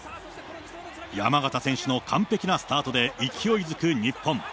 山縣選手の完璧なスタートで勢いづく日本。